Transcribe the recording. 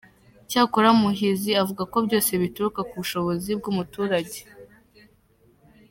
Cyakora Muhizi avuga ko byose bituruka ku bushobozi bw’umuturage.